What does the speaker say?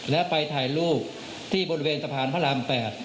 และไปถ่ายรูปที่บริเวณสะพานพระราม๘